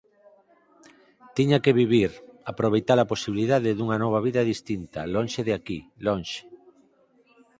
Tiña que vivir, aproveita-la posibilidade dunha nova vida distinta, lonxe de aquí, lonxe.